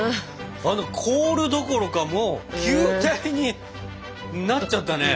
凍るどころかもう球体になっちゃったね。